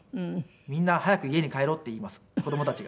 みんな早く家に帰ろうって言います子供たちが。